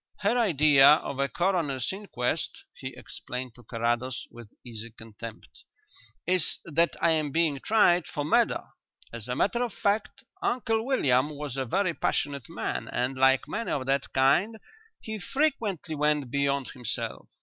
Her idea of a coroner's inquest," he explained to Carrados, with easy contempt, "is that I am being tried for murder. As a matter of fact, Uncle William was a very passionate man, and, like many of that kind, he frequently went beyond himself.